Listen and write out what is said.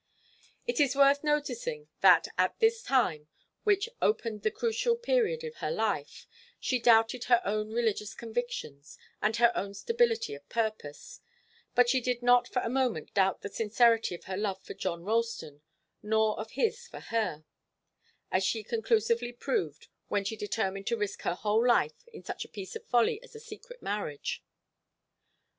It is worth noticing that at this time, which opened the crucial period of her life, she doubted her own religious convictions and her own stability of purpose, but she did not for a moment doubt the sincerity of her love for John Ralston, nor of his for her, as she conclusively proved when she determined to risk her whole life in such a piece of folly as a secret marriage.